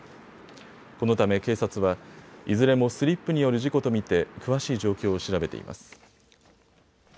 このため警察はいずれもスリップによる事故と見て詳しい状況を調べています。